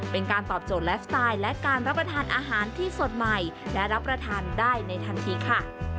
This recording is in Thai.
เป็นการตอบโจทย์ไลฟ์สไตล์และการรับประทานอาหารที่สดใหม่และรับประทานได้ในทันทีค่ะ